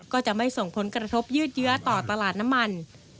ก็จะไม่ส่งผลกระทบยืดเยื้อต่อตลาดน้ำมัน